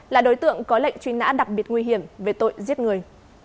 là đối tượng có lệnh truy nã đặc biệt nguy hiểm về tội giết người